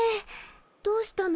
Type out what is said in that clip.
どうしたの？